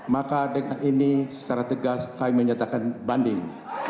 maka dengan ini secara tegas kami menyatakan banding